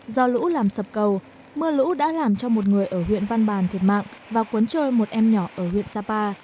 do lũ làm sập cầu mưa lũ đã làm cho một người ở huyện văn bàn thiệt mạng và cuốn trôi một em nhỏ ở huyện sapa